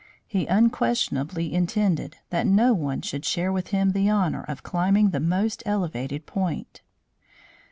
He unquestionably intended that no one should share with him the honor of climbing the most elevated point.